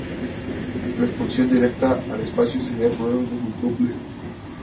La expulsión directa al espacio sería probablemente muy compleja.